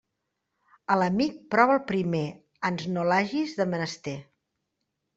A l'amic prova'l primer, ans no l'hagis de menester.